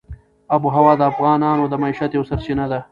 آب وهوا د افغانانو د معیشت یوه سرچینه ده.